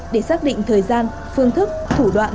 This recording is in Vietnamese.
để xác định thời gian phương thức thủ đoạn